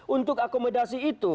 untuk akomodasi itu